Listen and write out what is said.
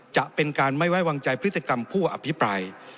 จะเป็นการไม่ไว้วางใจพฤติกรรมผู้อภิปราย